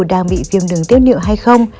cho dù đang bị viêm đường tiết liệu hay không